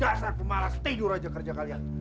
dasar kemala setidur aja kerja kalian